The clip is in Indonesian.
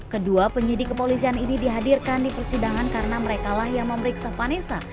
kedua penyidik kepolisian ini dihadirkan di persidangan karena merekalah yang memeriksa vanessa